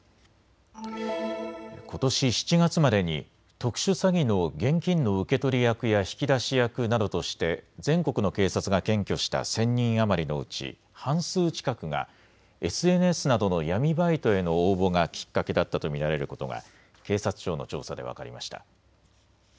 ことし７月までに特殊詐欺の現金の受け取り役や引き出し役などとして全国の警察が検挙した１０００人余りのうち半数近くがＳＮＳなどの闇バイトへの応募がきっかけだったと見られることが警察庁の調査で分かりました。